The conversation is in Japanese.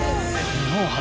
日本初。